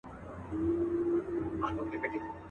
دا کیسه به په رباب کي شرنګېدله.